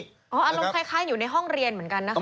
อ๋ออันลงคล้ายอยู่ในห้องเรียนเหมือนกันนะครับ